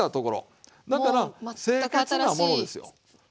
だから清潔なものですよ。